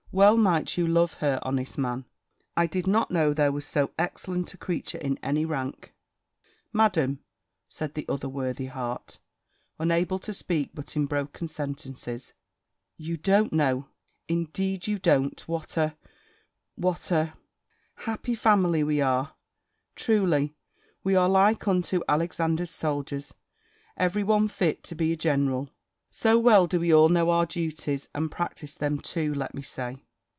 Well might you love her, honest man! I did not know there was so excellent a creature in any rank." "Madam," said the other worthy heart, unable to speak but in broken sentences, "you don't know indeed you don't, what a what a hap happy family we are! Truly, we are like unto Alexander's soldiers, every one fit to be a general; so well do we all know our duties, and practise them too, let me say.